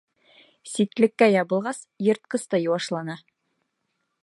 Ситлеккә ябылғас, йыртҡыс та йыуашлана.